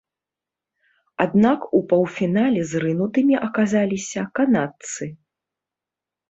Аднак у паўфінале зрынутымі аказаліся канадцы.